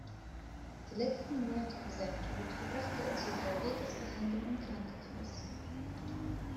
Die letzten Monate vor seinem Tod verbrachte er zur Diabetes-Behandlung im Krankenhaus.